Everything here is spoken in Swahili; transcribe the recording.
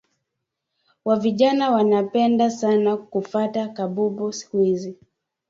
Wavijana wanapenda sana kufata kabumbu siku izi